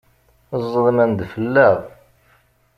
Ẓedmen-d fell-aɣ!